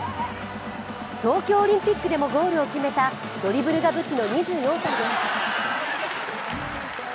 東京オリンピックでもゴールを決めたドリブルが武器の２４歳です。